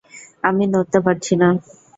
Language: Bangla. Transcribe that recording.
আমি নড়তে পারছি না।